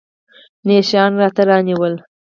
نه يې شيان راته رانيول.